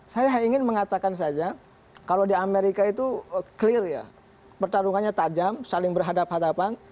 saya ingin mengatakan saja kalau di amerika itu clear ya pertarungannya tajam saling berhadapan hadapan